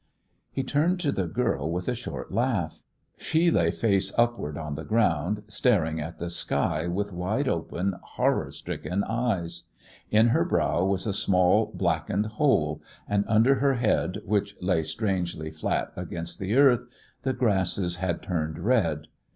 He turned to the girl with a short laugh. She lay face upward on the ground, staring at the sky with wide open, horror stricken eyes. In her brow was a small blackened hole, and under her head, which lay strangely flat against the earth, the grasses had turned red.